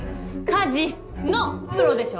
家事のプロでしょ。